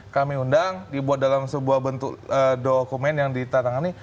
kami undang dibuat dalam sebuah bentuk dokumen yang ditatangani